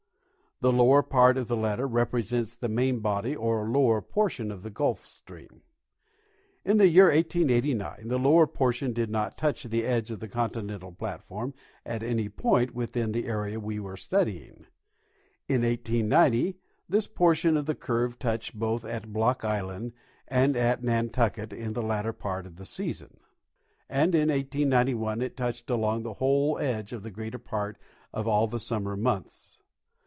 The lower part of the letter represents the main body or lower portion of the Gulf stream. In the year 1889 the lower portion did not touch the edge of the continental platform at any point within the area we were studying. In 1890 this portion of the curve touched both at Block island and at Nantucket in the latter part of the season ; •and in 1891 it touched along the whole edge for the greater part of all the summer months.